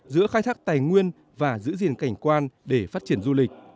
giữa khai thác tài nguyên và giữ gìn cảnh quan để phát triển du lịch